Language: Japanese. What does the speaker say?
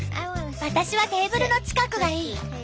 私はテーブルの近くがいい。